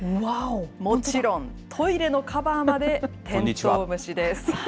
もちろん、トイレのカバーまでテントウムシです。